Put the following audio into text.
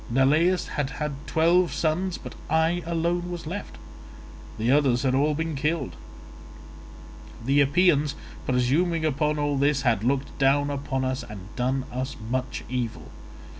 Neleus had had twelve sons, but I alone was left; the others had all been killed. The Epeans presuming upon all this had looked down upon us and had done us much evil.